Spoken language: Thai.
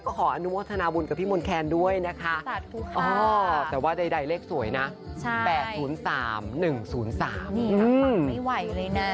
ขออนุโมทนาบุญกับพี่มนต์แคนด้วยนะคะแต่ว่าใดเลขสวยนะ๘๐๓๑๐๓นี่ค่ะฟังไม่ไหวเลยนะ